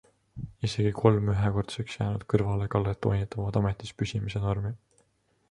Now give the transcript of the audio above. Isegi kolm ühekordseks jäänud kõrvalekallet toonitavad ametis püsimise normi.